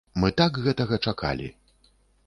Мы так гэтага чакалі.